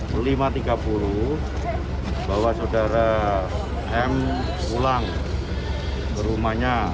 pukul lima tiga puluh bawa saudara m pulang ke rumahnya